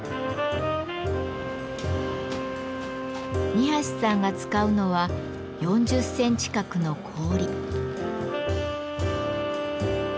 二さんが使うのは４０センチ角の氷。